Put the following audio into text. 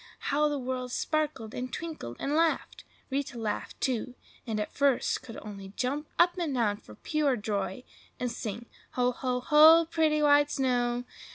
How the world sparkled and twinkled and laughed! Rita laughed, too, and at first could only jump up and down for pure joy, and sing,— "Ho! ho! ho! Pretty white snow!"